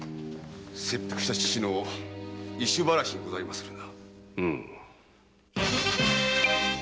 切腹した父の意趣晴らしにござりまするな。